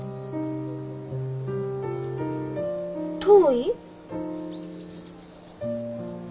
遠い？